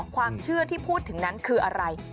ความเชื่อที่พูดถึงนั้นคืออะไร